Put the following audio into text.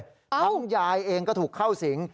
ทั้งยายเองก็ถูกเข้าสิง